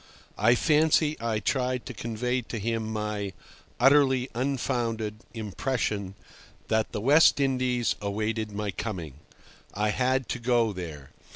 I fancy I tried to convey to him my (utterly unfounded) impression that the West Indies awaited my coming. I had to go there.